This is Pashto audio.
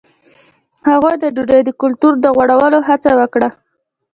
هغوی د ډوډۍ د کلتور د غوړولو هڅه وکړه.